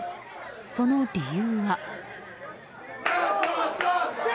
その理由は。